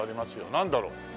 なんだろう？